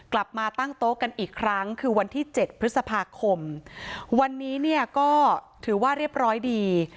มาตั้งโต๊ะกันอีกครั้งคือวันที่เจ็ดพฤษภาคมวันนี้เนี่ยก็ถือว่าเรียบร้อยดี